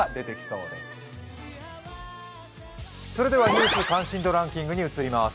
「ニュース関心度ランキング」に移ります。